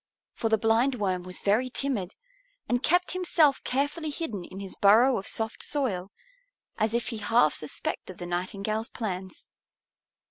For the Blindworm was very timid and kept himself carefully hidden in his burrow of soft soil, as if he half suspected the Nightingale's plans.